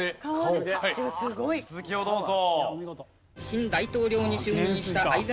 続きをどうぞ。